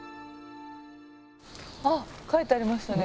あっ書いてありましたね。